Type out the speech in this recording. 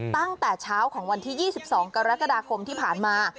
ตั้งแต่เช้าของวันที่๒๒กรกฎาคมที่ผ่านมา